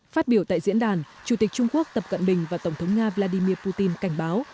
phát biểu tại diễn đàn chủ tịch trung quốc tập cận bình và tổng thống nga vladimir putin cảnh báo